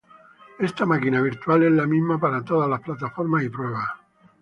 Ésta máquina virtual es la misma para todas las plataformas y pruebas.